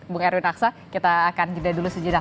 bung erwin aksa kita akan jeda dulu sejenak